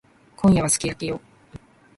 今夜はすき焼きよ。